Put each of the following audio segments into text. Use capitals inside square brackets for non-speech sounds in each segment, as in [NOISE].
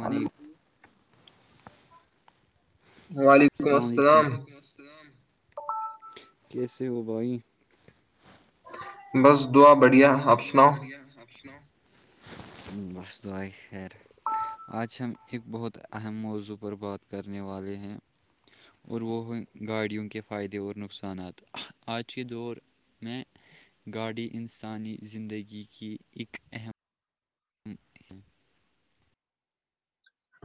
hello اللام علیکم کیسے ہو بھائی بس دعا بڑھیا آپ سناؤ کیا آپ سناو بس دعائے خیر آج ہم ایک بہت اہم موضوع پر بات کرنے والے ہیں اور وہ ہیں گاڑیوں کے فائدے اور نقصانات آج کے دور میں گاڑی انسانی زندگی کی ایک اہم ہوں ہ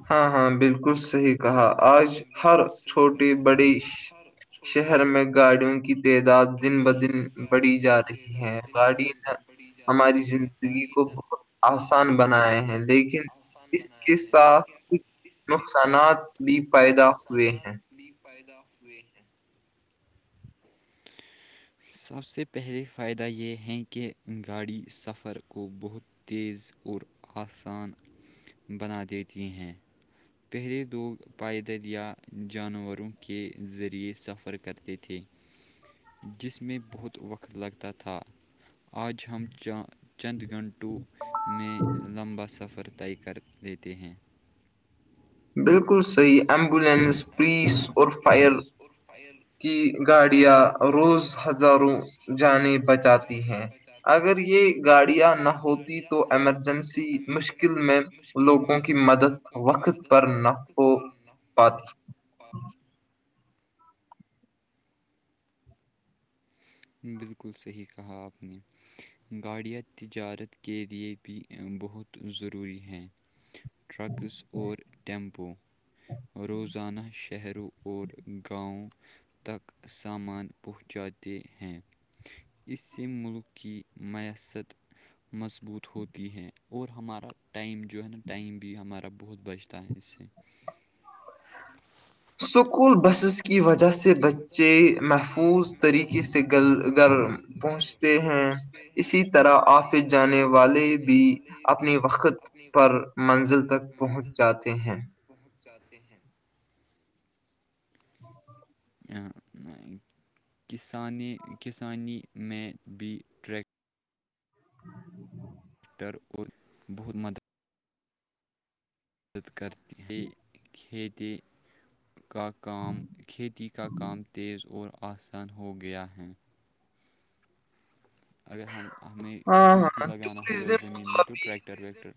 ہاں ہاں بالکل صح کہا آج ہر چھوٹے بڑی شہر میں گاڑیوں کی تعداد دن بدن بڑھی جا رہی ہے گاڑی ہماری زندگی کو بہت آسان بنائے ہیں لیکن اس کے ساتھ ک نقصانات بھی پیدا ہوئے ہیں بھی پائیدا ہوئے ہیں [INAUDIBLE] سب سے پہلے فائدہ یہ ہے کہ گاڑی سفر کو بہت تیز اور آسان بنا دیتی ہیں پہلے لوگ پائیدل یا جانوروں کے ذریعے سفر کرتے تھے تھی جس میں بہت وقت لگتا تھا آج ہم چا چند گھنٹو میں لمبا سفر طے کر دیتے ہیں بالکل صحیح ایمبولینس پولیس اور فائر اور فائل کی گاڑیاں روز ہزاروں جانے بچاتی ہیں اگر یہ گاڑیاں نہ ہوتی تو ایمرجنسی مشکل میں لوگوں کی مدد کی مدد پر نہ ہو پر نہ پ بالکل صحیح کہا آپ نے گاڑیاں تجارت کے لے بھی بہت ضروری ہیں ٹرکس اور ٹیمپو روزانہ شہروں اور گاؤ تک سامان پہنچاتے ہیں اس سے ملک کی میسر مضبوط ہوتی ہے اور ہمارا ٹائم جو ہے نا ٹائم بھی ہمارا بہت بچتا ہے اس سے ہاں اسکول بسیز کی وجہ سے بچے محفوظ طریقے سے گل گر پہنچتے ہیں اسی طرح آفس جانے والے بھی اپنی وقت پر منزل تک پہنچ جاتے ہیں پہنچ جاتے ہیں ہاں کسان کسانی میں بھی ہ اور بہت مدد مدد کرتے ہے کھیتی کا کام کھیتی کا کام تیز اور آسان ہو گیا ہے اگر ہم ہمیں کچھ بھی لگانا ہوگا زمین میں تو ٹریکٹر ویکٹر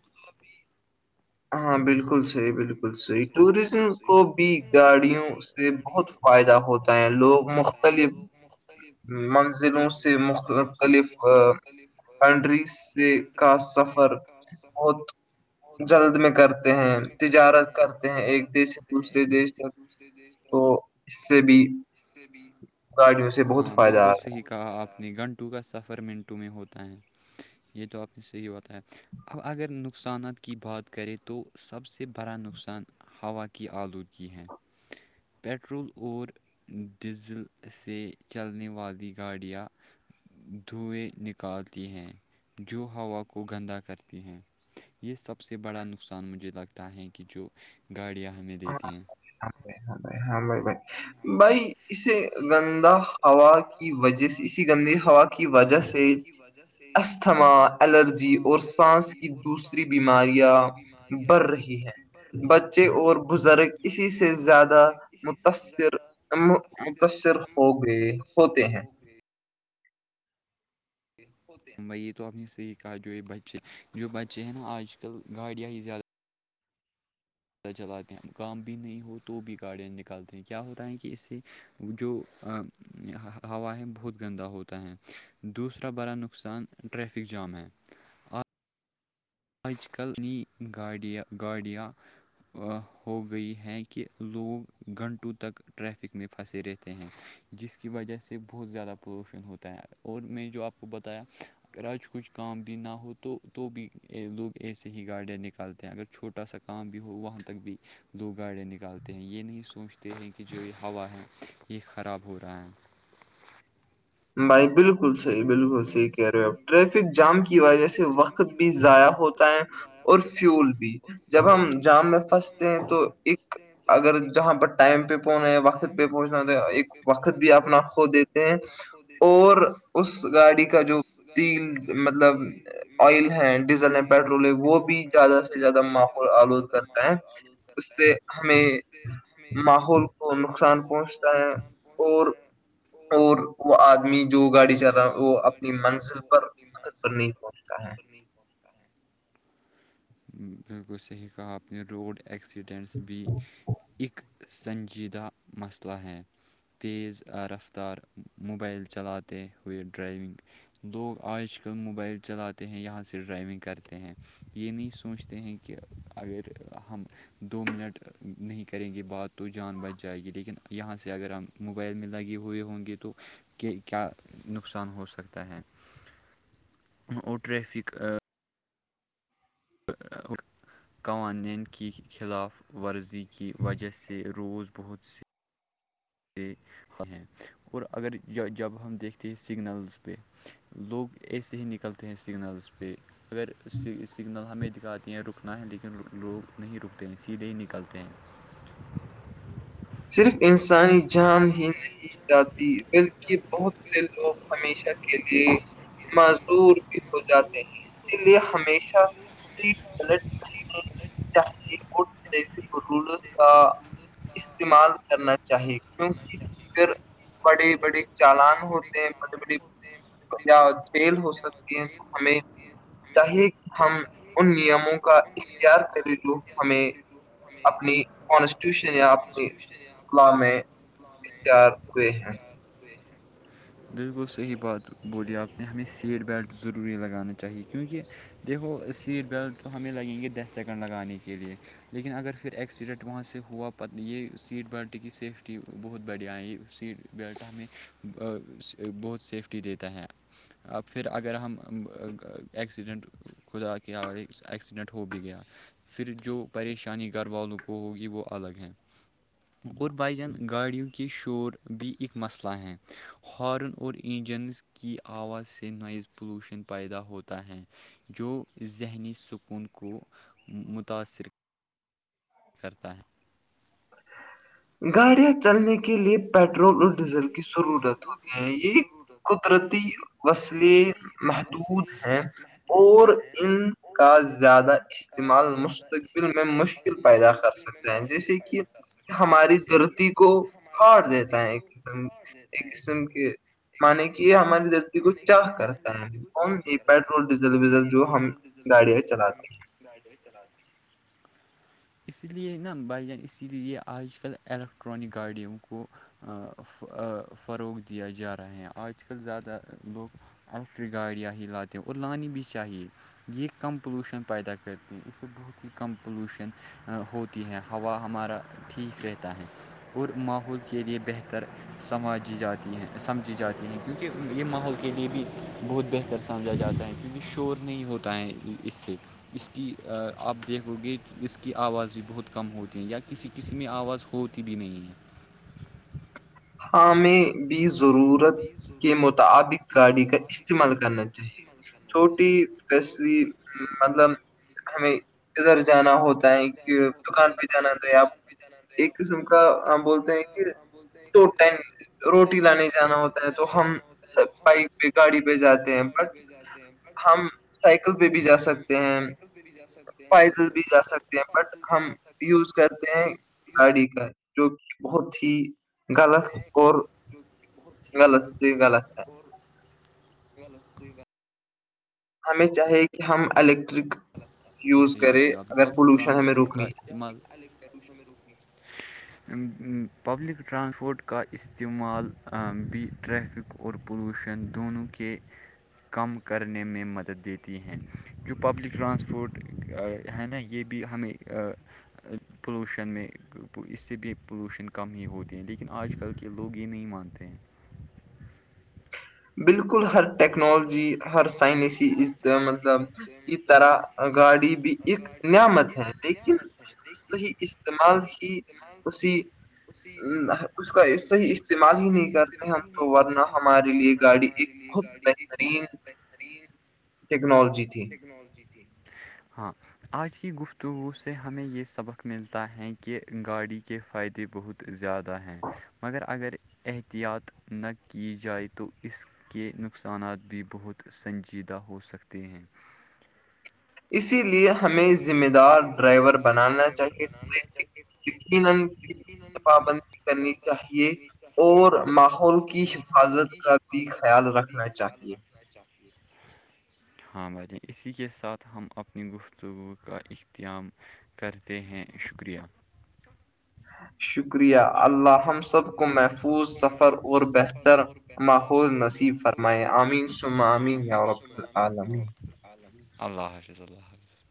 ہاں بالکل بالکل صحیح ٹوریزم کو بھی گاڑیوں سے بہت فائدہ ہوتا ہے لوگ مخ مختلف منزلوں سے مخ مختلف کنٹریز کا سفر بہت جلد میں کرتے ہیں ہیں تجارت کرتے ہیں ایک دیش دوسرے دیش تک تو سے بھی ہاں بالکل صحیح کہا آپ نے گھنٹوں کا سفر منٹو میں ہوتا ہے یہ تو آپنے سےی ہوتا ہے اب اگر نقصانات کی بات کریں تو سب سے بڑا نقصان ہوا کی آلودگی ہے پٹرول اور ڈیزل سے چلنے والی گاڑیاں دھوئیں نکالتی ہیں جو ہوا کو گندا کرتی ہیں یہ سب سے بڑا نقصان مجھے لگتا ہے ت ہے کہ جو گاڑیاں ہمیں دیتی ہیں ہاں باں ب ہاں بائے بائے بھائی اسے گندہ ہوا کی وجہ سے اسی گندی ہوا کی وجہ سے استھما الرجی اور سانس کی دوسری بیماریاں بڑھ رہی ہے بچے اور بزرگ اسی سے زیادہ متثر زیادہ متاثر متاثر ہو گئی بھائی یہ توپ نے صحیح کہا جو یہ بچے جو بچے ہیں نا آج کل گاڑیاں ہی زیادہ پہ چلاتے ہیں کام بھی نہیں ہو تو بھی گاڑیاں نکالتے ہیں کیا ہو رہا ہے کہ اس سے جو ہوائیں بہت گندا ہوتا ہیں دوسرا بڑا نقصان ٹریفک جام ہے آج کل ن گایا گاڈیاں ہو گئی ہے کہ لوگ گھنٹوں تک ٹریفک میں پھنسے رہتے ہیں جس کی وجہ سے بہت زیادہ پولوشن ہوتا ہے اور میں جو آپ کو بتایا آج کچھ کام بھی نہ ہو تو تو بھی لوگ ایسے ہی گاڑیاں نکالتے ہیں اگر چھوٹا سا کام بھی ہو وہاں تک بھی لگ گاڑیاں نکالتے ہیں یہ نہیں سوچتے ہیں کہ جو یہ ہوا ہے یہ خراب ہو رہا ہے بھائی بالکل صحیح بالکل صحیح کہہ رہے آپ ٹریفک جام کی وجہ سے وقت بھی ضائع ہوتا ہے اور فیول بھی جب ہم جام میں پھنستے ہیں تو ایک اگر جہاں پر ٹائم پہ پہنچنا ہے وقت پہ پہنچنا تو ایک وقت بھی اپنا ہو د اور اس گاڑی کا جو تیل مطلب آئل ہے ڈیزل ہے پیٹرول ہے وہ بھی زیادہ سے زیادہ ماحول آلود کرتا ہے اس سے ہمیں ماحول وہ نقصان پہنچتا ہے اور اور وہ آدمی جو گاڑی چلا جو گاڑی چل رہا وہ اپنی منگس نہیں بالکل صحیح کہا اپ روڈ ایکسیڈینٹس بھی ایک سنجیدہ مسئلہ ہے تیز رفتار موبائل چلاتے ہوئے ڈرائیونگ لوگ آج کل موبائل چلاتے ہیں یہاں سے ڈرائیونگ کرتے ہیں یہ نہیں سوچتے ہیں کہ اگر ہم دو منٹ نہیں کریں گے بات تو جان بچ جائے گی لیکن یہاں سے اگر ہم موبائل میں لگے ہوئے ہوں گے تو کہ کیا نقصان ہو سکتا ہے ہی اور ٹریفک [INAUDIBLE] قوانین کی خلاف ورزی کی وجہ سے روز بہت سے [INAUDIBLE] اور اگر جب ہم دیکھتے ہیں سگنلز پہ لوگ ایسے ہی نکلتے ہیں سگنلز پ پہ اگر سگنل ہمیں دکھاتے ہیں رک نہ ہے لیکن لوگ نہیں رکتے ہیں سیدھے ہی نکلتے ہیں صرف انسانی جان ہی نہیں جاتی بکل کہ بہت دل لوگ ہمیشہ کے لیے معذور بھی ہو جاتے ہیں اس لیے ہمیشہ ٹفک رولز استعمال کرنا چاہیے کیونکہ پھر بڑے بڑے چالان ہوتے ہیں بڑی بڑی یا جیل ہو سکتی ہے تو ہمیں چاہے ہم ان نیموں کا اختیار کریں تو ہمیں اپنی کانسٹیٹیوشن یا اپنی اقلا میں اختیار ہوئے ہیں بالکل صحیح بات بولی آپ نے ہمیں سیٹ بیلٹ ضروری لگانا چاہیے کیونکہ دیکھو سیٹ بیلٹ ہمیں لگیں گے دس سیکنڈ لگانے کے لیئے لیکن اگر پھر ایکسیڈنٹ وہاں سے ہوا پت یہ سیٹ بیلٹ کی سیفٹی بہت بڑھیا ہے یہ سیٹ بیلٹ ہمیں بہت سیفٹی دیتا ہے ا پھر اگر ہم ایکسیڈنٹ خدا کے آ ایکسیڈنٹ ہو بھی گیا پھر جو پریشانی گھر والوں کو ہوگی وہ الگ ہے اور بائی جان گاڑیوں کے شور بھی ایک مسئلہ ہیں ہارن اور انجنس کی آواز سے نوائز پولوشن پیدا ہوتا ہے جو ذہنی سکون کو متاثر کر ہے کرتا ہے [INAUDIBLE] گاڑیاں چلنے کے لیے پیٹرول اور ڈیزل کی ضرورت ہوتی ہیں یہ قدرتی وسلے محدود ہیں اور ان کا زیادہ استعمال مستقبل میں مشکل پیدا تو دل میں مشکل پیدا کر سکتا ہماری درتی کو ہاڑ دیتا ہے ایک ایک قسم کے مانے کہ یہ ہماری دری کو کیا کرتا ہے کون نہیں پیٹرول ڈیزل ویزل جو ہم گاڑیں چلاتی ہیں جائ جتر آ اسی لیے نا بھائی جان اسی لیے آج کل الیکٹرانک گاڑیوں کو فروغ دیا جا رہے ہیں آج کل زیادہ لوگ الیکٹرک گاڑیاں ہی لاتے ہیں اور لانی بھی چاہیے یہ کم پولوشن پیدا کرتی ہے اس سے بہت ہی کم پولوشن ہوتی ہے ہوا ہمارا ٹھیک رہتا ہے اور ماحول کے لیے بہتر سماجی جات ہیں سمجھی جاتی ہیں کیونکہ یہ ماحول کے لیے بھی بہت بہتر سمجھا جاتا ہے کیونکہ شور نہیں ہوتا ہیں اس سے اس کی آپ دیکھو گے اس کی کی آواز بھی بہت کم ہوتی ہے یا کسی کسی میں آواز ہوتی بھی نہیں ہے [INAUDIBLE] ہمیں بھی ضرورت کے مطابق گاڑی کا استعمال کرنا چھوٹی فیسلی مطلب ہمیں ادھر جانا ہو تو کہ دکان پہ جانا آپ ایک قسم کا ہم بولتے ہیں کہ بولتے ہیں دو ٹم روٹی لانے جانا ہوتا ہے تو ہم بائک پہ گاڑی پہ جاتے ہیں بٹ ہم سائیکل پہ بھی جا سکتے ہیں فائدل بھی جا سکتی ہیں بٹ ہم طق ہے جو کہ بہت ہی غلط اور جو بہت ہی غلط اور غلط ہو ہمیں چاہیے کہ ہم الیکٹرک یوز کریں اگر پولوشن ہمیں روکنی ہے ال ل کرو ش میرو [INAUDIBLE] پبلک ٹرانسپورٹ کا استعمال بھی ٹریفک اور پولوشن دونوں کے کم کرنے میں مدد دیتی ہیں جو پبلک ٹرانسپورٹ ہے نا یہ بھی ہمیں پولوشن میں اس سے بھی پولوشن کم ہی ہوتی ہیں لیکن آج کل کہ لوگ یہ نہیں مانتے ہیں بالکل ہر ٹیکنالوجی ہر سائنسی مطلب اس طرح گاڑی بھی ایک نعمت ہے لیکن کا صحیح استعمال ہی اسی اس کا صحیح استعمال ہی نہیں کرتے ہم تو ورنہ ہمارے لیے گاڑی ایک ب گاڑی ایک بہت بہترین ٹیکنالوجی تھی ٹنالوجی ت ہاں آج کی گفتگو سے ہمیں یہ سبق ملتا ہے کہ گاڑی کے فائدے بہت زیادہ ہیں مگر اگر احتیاط نہ کی جائے تو اس کے نقص نقصانات بھی بہت سنجیدہ ہو سکتے ہیں اسی یہ ہمیں ذمہ دار ڈرائیور بنانا چاہیے پابندی کرنی چاہیے اور ماحول کی حفاظت کا بھی خیال رکھنا چاہیے ہاں بھائی اسی کے ساتھ ہم اپنی گفت گفتگو کا اختام کرتے ہیں شکریہ شکریہ اللہ ہم سب کو محفوظ سفر اور بہتر ماحول نصیب فرما امین سم امین یاب العالمی اللہ حافظ اللہ حافظ